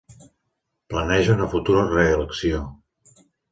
Planeja una futura reelecció.